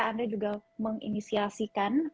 anda juga menginisiasikan